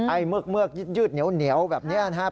เมือกยืดเหนียวแบบนี้นะครับ